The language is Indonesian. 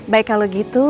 baik kalau gitu